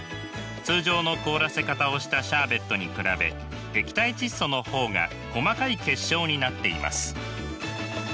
通常の凍らせ方をしたシャーベットに比べ液体窒素の方が細かい結晶になっています。